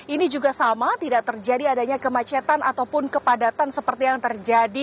ini juga sama tidak terjadi adanya kemacetan ataupun kepadatan seperti yang terjadi